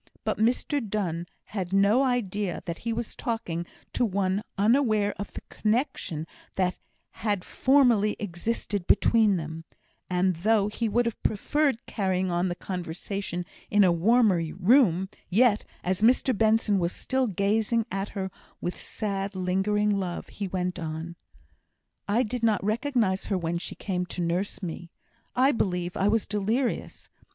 But Mr Donne had no idea that he was talking to one unaware of the connexion that had formerly existed between them; and, though he would have preferred carrying on the conversation in a warmer room, yet, as Mr Benson was still gazing at her with sad, lingering love, he went on: "I did not recognise her when she came to nurse me; I believe I was delirious.